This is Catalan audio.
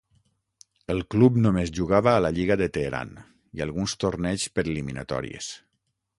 El club només jugava a la Lliga de Teheran i alguns torneigs per eliminatòries.